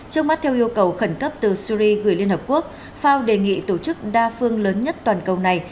trước mắt theo yêu cầu khẩn cấp từ syri gửi liên hợp quốc fao đề nghị tổ chức đa phương lớn nhất toàn cầu này